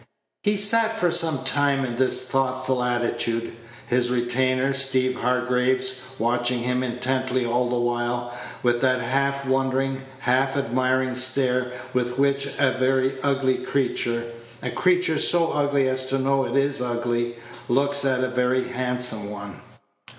He sat for some time in this thoughtful attitude, his retainer, Steeve Hargraves, watching him intently all the while, with that half wondering, half admiring stare with which a very ugly creature a creature so ugly as to know it is ugly looks at a very handsome one.